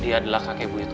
apa hubungannya sama kita